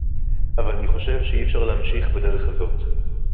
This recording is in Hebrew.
אבל אני חושב שאי-אפשר להמשיך בדרך הזאת